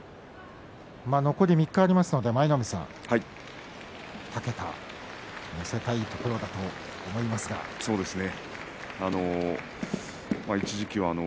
残り３日ありますので舞の海さん２桁乗せたいところですね。